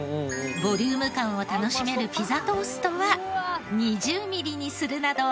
ボリューム感を楽しめるピザトーストは２０ミリにするなど。